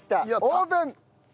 オープン！